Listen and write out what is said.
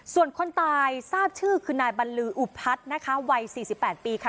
ส่วนคนตายทราบชื่อคือนายบัญลืออุบพัทย์นะคะวัยสี่สิบแปดปีค่ะ